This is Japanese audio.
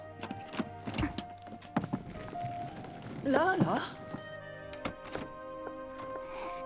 ラーラ？